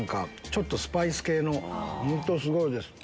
ちょっとスパイス系の本当すごいです。